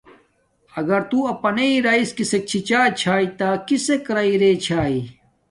اگر تو اپناݵ راس کسک چھی چاݵ تا کسک راݵ رے چھاݵ